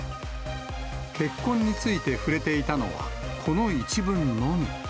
結婚について触れていたのは、この一文のみ。